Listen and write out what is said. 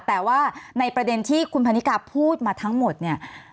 แต่ว่าในประเด็นที่คุณพันนิกาพูดมาทั้งหมดเนี่ย